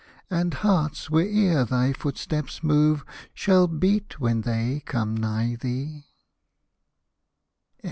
And hearts, where'er thy footsteps move, Shall beat when they come nigh thee.